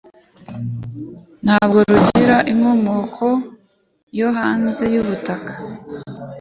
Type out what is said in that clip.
ntabwo rugyira inkomoko yo hanze y'ubutaka